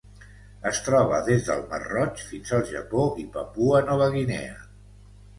Es troba des del Mar Roig fins al Japó i Papua Nova Guinea.